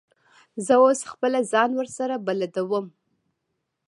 زه اوس خپله ځان ورسره بلدوم.